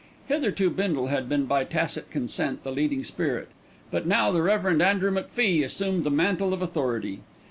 Hitherto Bindle had been by tacit consent the leading spirit; but now the Rev. Andrew McFie assumed the mantle of authority.